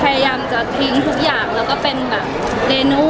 พยายามจะทิ้งทุกอย่างแล้วก็เป็นแบบเดนู